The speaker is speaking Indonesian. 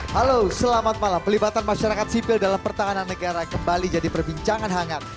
halo selamat malam pelibatan masyarakat sipil dalam pertahanan negara kembali jadi perbincangan hangat